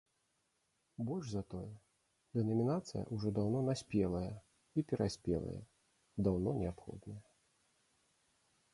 Больш за тое, дэнамінацыя ўжо даўно наспелая і пераспелая, даўно неабходная.